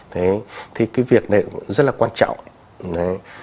thế thì cái việc này rất là quan trọng